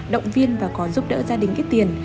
động viên và có giúp đỡ gia đình hết tiền